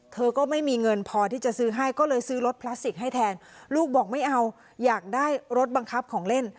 เธอก็ไม่มีเงินพอที่จะซื้อให้ก็เลยซื้อรถพลาสติกให้แทนลูกบอกไม่เอาอยากได้รถบังคับของเล่น